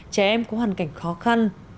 trẻ em có hoàn cảnh khó khăn